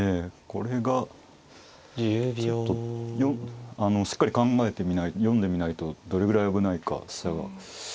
これがちょっとしっかり考えてみない読んでみないとどれぐらい危ないか飛車が。